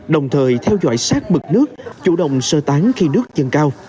đồng thời theo dõi sát mực nước chủ động sơ tán khi nước dần cao